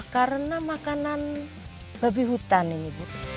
karena makanan babi hutan ini